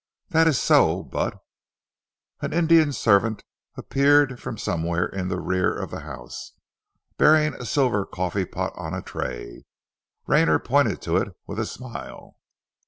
"That is so, but " An Indian servant appeared from somewhere in the rear of the house, bearing a silver coffee pot on a tray. Rayner pointed to it with a smile.